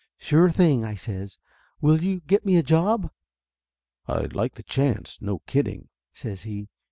"Sure thing!" I says. "Will you get me a job?" "I'd like the chance, no kidding," says he.